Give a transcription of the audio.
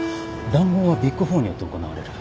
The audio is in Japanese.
談合はビッグ４によって行われる。